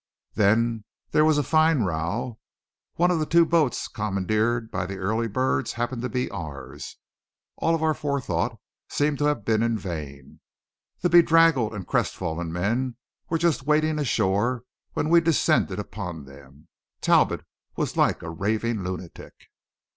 Then there was a fine row. One of the two boats commandeered by the early birds happened to be ours! All our forethought seemed to have been in vain. The bedraggled and crestfallen men were just wading ashore when we descended upon them. Talbot was like a raving lunatic.